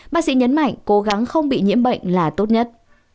bác sĩ nhấn mạnh cố gắng không bị nhiễm bệnh là tốt nhất